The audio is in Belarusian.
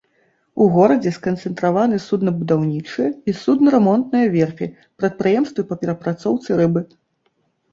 У горадзе сканцэнтраваны суднабудаўнічыя і судна рамонтныя верфі, прадпрыемствы па перапрацоўцы рыбы.